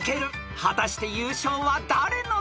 ［果たして優勝は誰の手に！？］